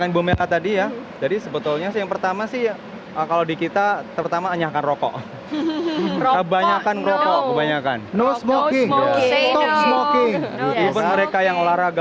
tujuh belas juta dari seluruh populasi jantung